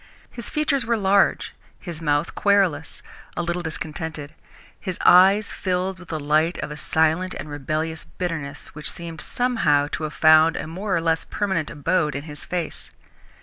His features were large, his mouth querulous, a little discontented, his eyes filled with the light of a silent and rebellious bitterness which seemed, somehow, to have found a more or less permanent abode in his face.